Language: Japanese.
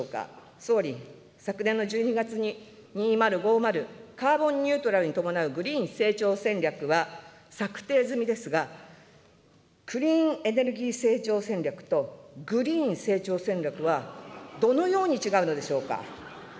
総理、昨年の１２月に２０５０カーボンニュートラルに伴うグリーン成長戦略は策定済みですが、クリーンエネルギー成長戦略とグリーン成長戦略は、どのように違うのでしょうか。